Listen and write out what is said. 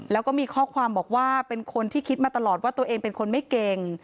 แล้วก็มีข้อความบอกว่าเป็นคนที่คิดมาตลอดว่าตัวเองเป็นคนไม่เก่ง